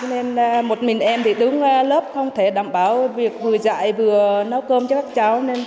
nên một mình em thì đứng lớp không thể đảm bảo việc vừa dạy vừa nấu cơm cho các cháu